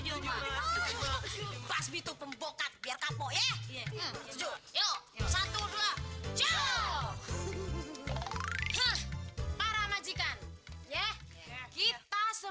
terima kasih saudara saudaraku